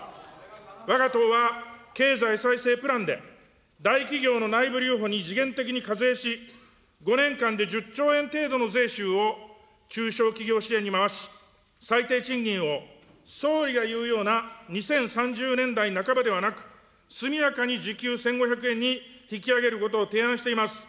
わが党は経済再生プランで大企業の内部留保に時限的に課税し、５年間で１０兆円程度の税収を中小企業支援に回し、最低賃金を総理が言うような２０３０年代半ばではなく、速やかに時給１５００円に引き上げることを提案しています。